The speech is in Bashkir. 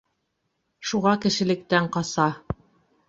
Шуға кешелектән ҡаса.